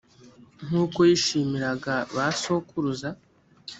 nk’uko yishimiraga ba sokuruza,